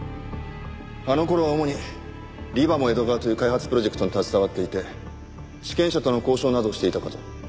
あの頃は主にリバモ江戸川という開発プロジェクトに携わっていて地権者との交渉などをしていたかと。